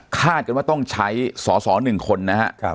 คาดว่าต้องใช้สอหนึ่งคนนะฮะ